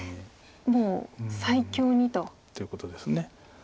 もう最強にと。ということです。